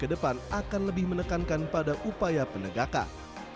ke depan akan lebih menekankan pada upaya penegakan